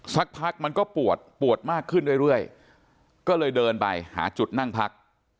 สักพักมันก็ปวดปวดมากขึ้นเรื่อยก็เลยเดินไปหาจุดนั่งพัก